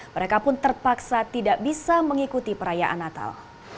mereka pun terpaksa tidak bisa mengikuti perayaan natal